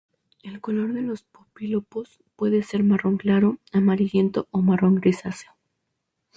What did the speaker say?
El color de los pólipos puede ser marrón claro, amarillento o marrón grisáceo.